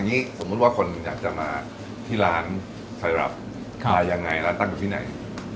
อันนี้สมมุติว่าคนมันอยากจะมาที่ร้านใครรับร้านตั้งอยู่ที่ไหน